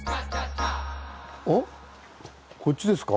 おっこっちですか？